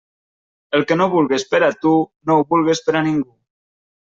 El que no vulgues per a tu, no ho vulgues per a ningú.